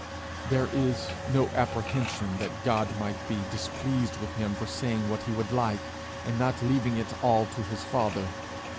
There is no apprehension that God might be displeased with him for saying what he would like, and not leaving it all to his Father.